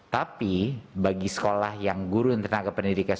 tapi bagi sekolah yang guru dan tenaga pendidikan